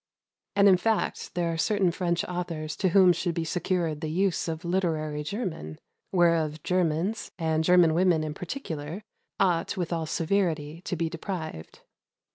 And, in fact, there are certain French authors to whom should be secured the use of the literary German whereof Germans, and German women in particular, ought with all severity to be deprived.